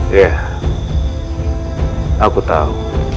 ya aku tahu